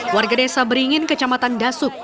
warga desa beringin kecamatan dasuk